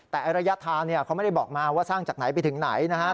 แต่ระยะทางเขาไม่ได้บอกมาว่าสร้างจากไหนไปถึงไหนนะครับ